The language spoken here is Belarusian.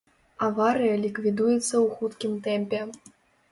Аварыя ліквідуецца ў хуткім тэмпе.